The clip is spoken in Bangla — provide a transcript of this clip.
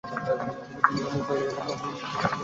বিন্দু উদ্ধতভাবে বলিল, কেন?